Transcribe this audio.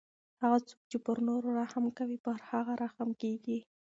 هغه څوک چې پر نورو رحم کوي پر هغه رحم کیږي.